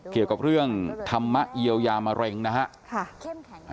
เกี่ยวกับเรื่องธรรมะเยียวยามะเร็งนะฮะ